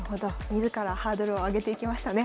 自らハードルを上げていきましたね。